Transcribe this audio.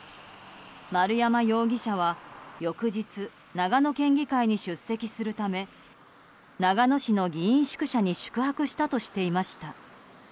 丸山容疑者は翌日、長野県議会に出席するため長野市の議員宿舎に宿泊したとしていました。